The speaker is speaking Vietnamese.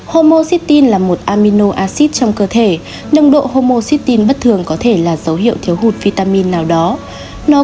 homocytin là một amino acid trong cơ thể nâng độ homocytin bất thường có thể là dấu hiệu thiếu hụt vitamin nào đó